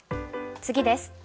次です。